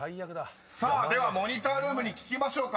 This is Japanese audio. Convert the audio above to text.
［さあではモニタールームに聞きましょうか。